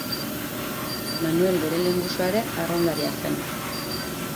Manuel bere lehengusua ere arraunlaria zen.